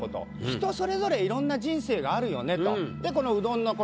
人それぞれいろんな人生があるよねと。